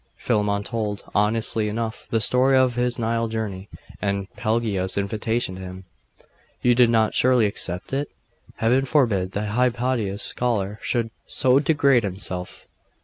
Philammon told, honestly enough, the story of his Nile journey, and Pelagia's invitation to him. 'You did not surely accept it?' 'Heaven forbid that Hypatia's scholar should so degrade himself!